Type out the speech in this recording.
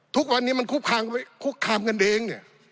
ทุกวันนี้มันคุกคามกันเอง